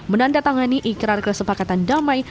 menandatangani ikrar kesepakatan damai